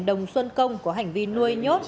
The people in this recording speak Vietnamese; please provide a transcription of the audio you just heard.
đồng xuân công có hành vi nuôi nhốt